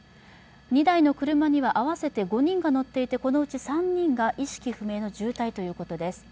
２台の車には合わせて５人が乗っていてこのうち３人が意識不明の重体ということです。